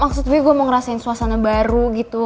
maksud gue gue mau ngerasain suasana baru gitu